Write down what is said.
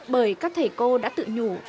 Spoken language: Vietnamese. bởi các thầy cô đã tự nhủ